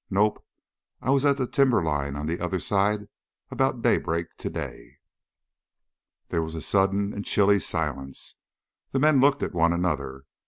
"Nope. I was at the timberline on the other side about daybreak today." There was a sudden and chilly silence; men looked at one another.